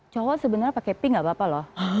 cowok sebenarnya pakai pink gak apa apa loh